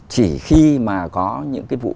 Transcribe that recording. chỉ khi mà có những cái vụ